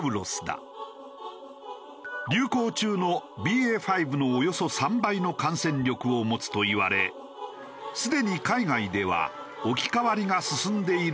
流行中のＢＡ．５のおよそ３倍の感染力を持つといわれすでに海外では置き換わりが進んでいる国もある。